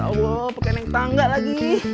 ya allah pekan yang tangga lagi